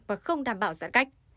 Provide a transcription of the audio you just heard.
và không đảm bảo giãn cách